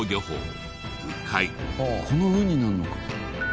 この鵜になるのか。